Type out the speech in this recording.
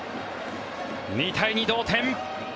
２対２、同点。